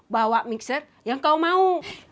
bawa mixer yang kau mau